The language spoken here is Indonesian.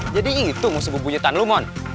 jadi itu musuh bebuyutan lu mon